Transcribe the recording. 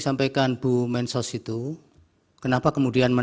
sampaikan bu mensos itu kenapa kemudian